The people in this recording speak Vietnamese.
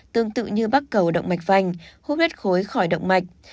tương tự như bắt cầu động mạch vành hút hết khối khỏi động mạch